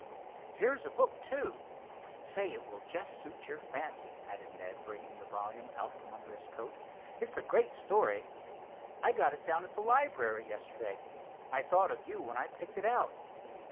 "Here's a book, too. Say, it will just suit your fancy," added Ned, bringing the volume out from under his coat. "It's a great story. I got it down at the library yesterday. I thought of you when I picked it out."